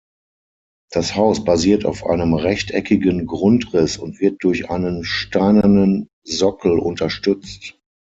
Das Haus basiert auf einem rechteckigen Grundriss und wird durch einen steinernen Sockel unterstützt.